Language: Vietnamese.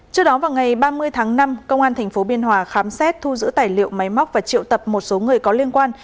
trước đó vào ngày ba mươi tháng năm công an tp biên hòa khám xét thu giữ tài liệu máy móc và triệu tập một số người có liên quan